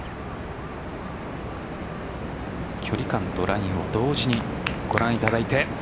距離感とラインを同時にご覧いただいて。